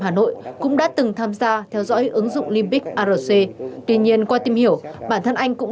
hà nội cũng đã từng tham gia theo dõi ứng dụng limbiquc arc tuy nhiên qua tìm hiểu bản thân anh cũng